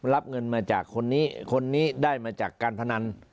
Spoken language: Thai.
รับเงินมาจากคนนี้คนนี้ได้มาจากการพนัน